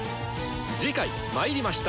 次回「魔入りました！